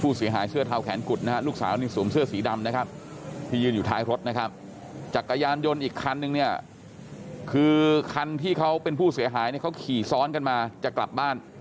เสื้อเทาแขนกุดนะฮะลูกสาวนี่สวมเสื้อสีดำนะครับที่ยืนอยู่ท้ายรถนะครับจักรยานยนต์อีกคันนึงเนี่ยคือคันที่เขาเป็นผู้เสียหายเนี่ยเขาขี่ซ้อนกันมาจะกลับบ้าน